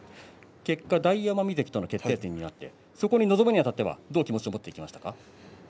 結果、大奄美関との決定戦になってそこに臨むにあたってはどんな気持ちを持っていきましたか？